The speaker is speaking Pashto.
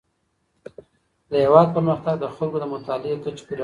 د هیواد پرمختګ د خلکو د مطالعې کچې پورې اړه لري.